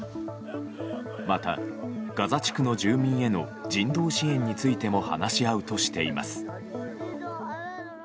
また、ガザ地区の住民への人道支援についても話し合うとしています。